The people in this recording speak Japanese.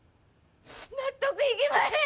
納得いきまへん！